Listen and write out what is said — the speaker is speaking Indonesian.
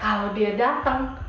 kalau dia datang